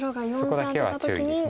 そこだけは注意です。